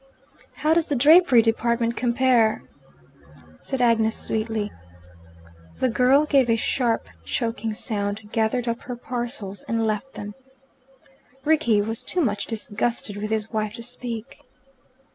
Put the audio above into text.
"How does the drapery department compare?" said Agnes sweetly. The girl gave a sharp choking sound, gathered up her parcels, and left them. Rickie was too much disgusted with his wife to speak.